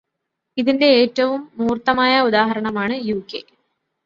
ഇതിന്റെ ഏറ്റവും മൂർത്തമായ ഉദാഹരണമാണ് യു.കെ.